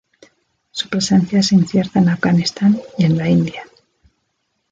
Su presencia es incierta en Afganistán y en la India.